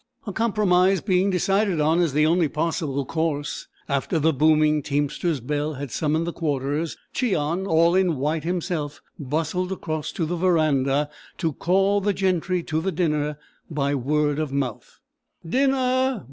A compromise being decided on as the only possible course, after the booming teamster's bell had summoned the Quarters, Cheon, all in white himself, bustled across to the verandah to call the gentry to the dinner by word of mouth:—"Dinner!